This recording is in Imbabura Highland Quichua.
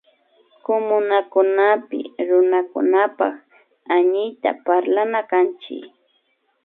Kumunakunapik Runakunapak Hañiyta parlana kanchik